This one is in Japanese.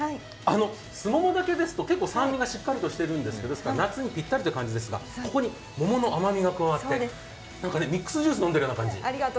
すももだけですと酸味がしっかりしてるんですけど夏にぴったりという感じですがここに桃の甘みが加わって、ミックスジュース飲んでる感じ。